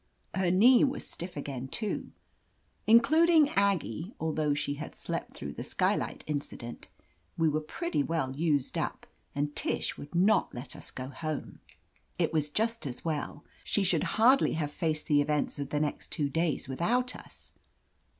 Her knee was stiff again, too. In cluding Aggie, although she had slept through the skylight incident, we were pretty well used up, and Tish would not let us go home. It was just as well. She should hardly have faced the events of the next two days with out us.